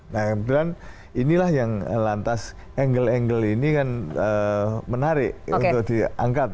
nah kemudian inilah yang lantas angle angle ini kan menarik untuk diangkat